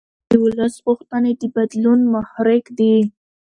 د ولس غوښتنې د بدلون محرک دي